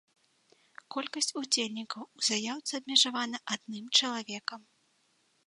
Колькасць удзельнікаў у заяўцы абмежавана адным чалавекам.